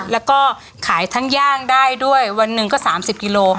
แล้วก็ขายทั้งย่างได้ด้วยวันหนึ่งก็๓๐กิโล